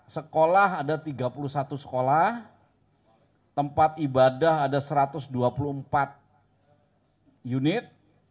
sekolah ada tiga puluh satu sekolah tempat ibadah ada satu ratus dua puluh empat unit